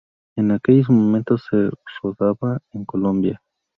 En aquellos momentos se rodaba en Colombia.